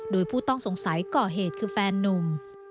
โดยผู้ต้องสงสัยก่อเหตุคือแฟนนุ่ม